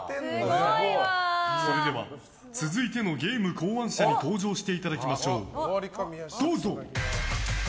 それでは続いてのゲーム考案者に登場していただきましょう。